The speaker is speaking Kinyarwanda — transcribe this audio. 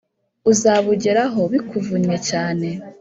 uzabugeraho bikuvunnye cyane